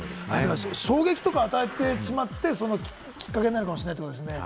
衝撃とか与えてしまって、きっかけになるかもしれないってことですね。